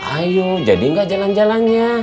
ayo jadi nggak jalan jalannya